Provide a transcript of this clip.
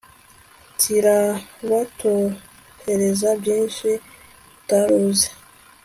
kirabatohoreza byinshi utaruzi